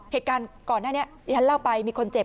เหตุการณ์ก่อนหน้านี้ที่ฉันเล่าไปมีคนเจ็บ